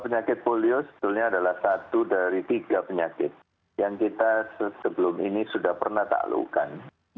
penyakit polio sebetulnya adalah satu dari tiga penyakit yang kita sebelum ini sudah pernah taklukan